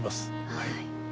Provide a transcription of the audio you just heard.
はい。